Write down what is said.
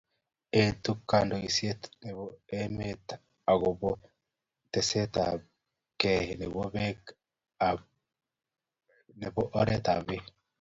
eetu kandoiset nebo emet akobo tesetab kei nebo oret ab beek